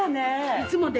いつもです。